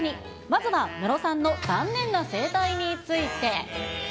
まずはムロさんのざんねんな生態について。